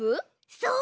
そう！